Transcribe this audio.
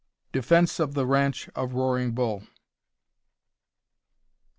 DEFENCE OF THE RANCH OF ROARING BULL.